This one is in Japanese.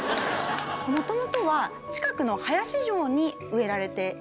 もともとは近くの林城に植えられていたそうなんです。